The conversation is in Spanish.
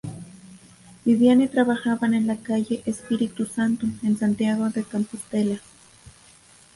Vivían y trabajaban en la calle Espíritu Santo, en Santiago de Compostela.